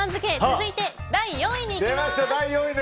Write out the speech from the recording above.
続いて、第４位にいきます。